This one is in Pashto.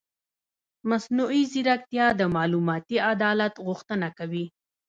مصنوعي ځیرکتیا د معلوماتي عدالت غوښتنه کوي.